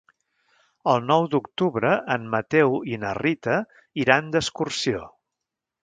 El nou d'octubre en Mateu i na Rita iran d'excursió.